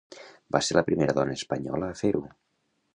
Va ser la primera dona espanyola a fer-ho.